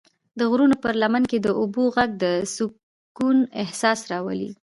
د غرونو پر لمن کې د اوبو غږ د سکون احساس راولي.